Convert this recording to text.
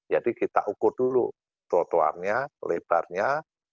jadi kita ukur dulu trotoarnya lebarnya